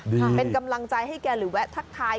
เป็นกำลังใจให้แกหรือแวะทักทาย